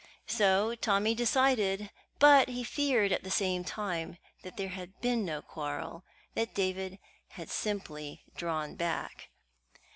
So Tommy decided, but he feared at the same time that there had been no quarrel that David had simply drawn back.